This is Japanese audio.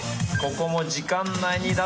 ここも時間内に。